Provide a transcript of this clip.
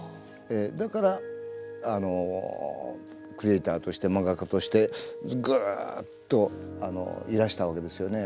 だからクリエーターとして漫画家としてぐうっといらしたわけですよね。